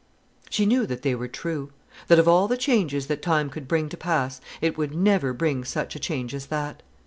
She knew that they were true; that of all the changes that Time could bring to pass, it would never bring such a change as that.